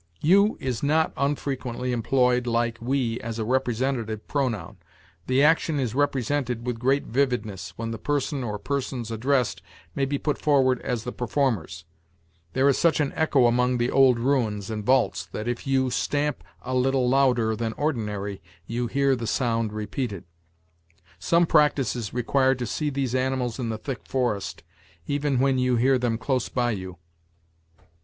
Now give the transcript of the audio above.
"'You' is not unfrequently employed, like 'we,' as a representative pronoun. The action is represented with great vividness, when the person or persons addressed may be put forward as the performers: 'There is such an echo among the old ruins, and vaults, that if you stamp a little louder than ordinary, you hear the sound repeated'; 'Some practice is required to see these animals in the thick forest, even when you hear them close by you.'